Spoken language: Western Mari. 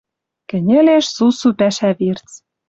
Кӹньӹлеш сусу пӓшӓ верц.